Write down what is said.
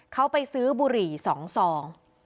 เขาไปซื้อบุหรี่๒ซอง